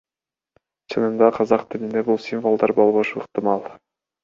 Чынында казак тилинде бул символдор болбошу ыктымал.